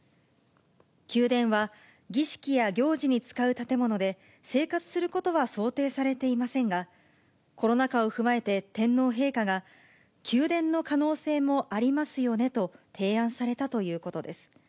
宮殿は儀式や行事に使う建物で、生活することは想定されていませんが、コロナ禍を踏まえて、天皇陛下が、宮殿の可能性もありますよねと提案されたということです。